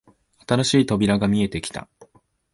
新しい扉が見えてきた